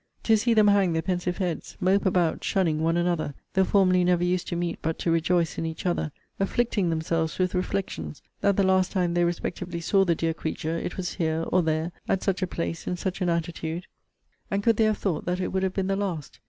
To see them hang their pensive heads; mope about, shunning one another; though formerly never used to meet but to rejoice in each other; afflicting themselves with reflections, that the last time they respectively saw the dear creature, it was here or there, at such a place, in such an attitude; and could they have thought that it would have been the last?